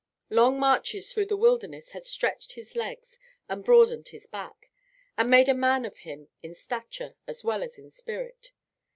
Long marches through the wilderness had stretched his legs and broadened his back, and made a man of him in stature as well as in spirit.